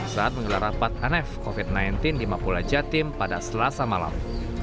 saat mengelar rapat anev covid sembilan belas di mapula jatim pada selasa malam